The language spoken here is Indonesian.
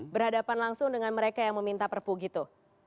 berhadapan langsung dengan mereka yang meminta perpu gitu